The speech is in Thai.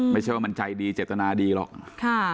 ไม่ใช่ว่ามันใจดีเจตนาดีหรอก